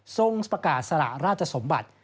ทรงประกาศสละราชสมบัติ